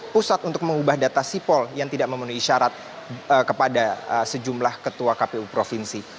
pusat untuk mengubah data sipol yang tidak memenuhi syarat kepada sejumlah ketua kpu provinsi